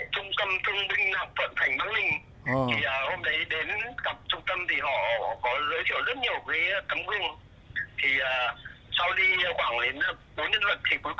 đây là bức ảnh chụp tại trung tâm thương binh học vận thành bắc linh